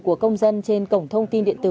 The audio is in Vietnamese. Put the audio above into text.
của công dân trên cổng thông tin điện tử